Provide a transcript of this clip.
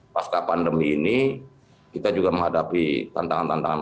pasca pandemi ini kita juga menghadapi tantangan tantangan